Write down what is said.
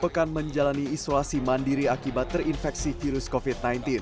pekan menjalani isolasi mandiri akibat terinfeksi virus covid sembilan belas